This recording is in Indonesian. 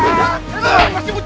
masih mau lawan aku